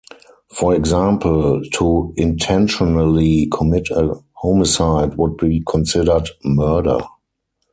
For example, to intentionally commit a homicide would be considered murder.